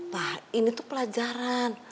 ma ini tuh pelajaran